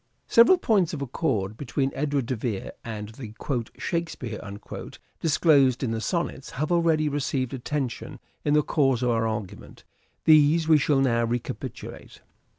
Several points of accord between Edward de Vere and the " Shakespeare " disclosed in the Sonnets have already received attention in the course of our argument ; these we shall now recapitulate.